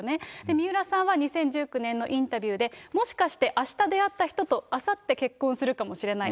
水卜さんは２０１９年のインタビューで、もしかして、あした出会った人と、あさって結婚するかもしれない。